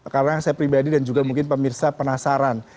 karena saya pribadi dan juga mungkin pemirsa penasaran